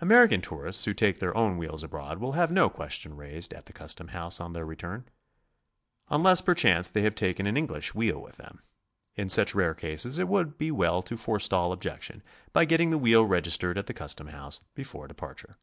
American tourists who take their own wheels abroad will / have no question raised at the custom house on their return, unless perchance they have taken an English wheel with them. In such rare cases it would be well to forestall objection by getting the wheel registered at the custom house before de parture.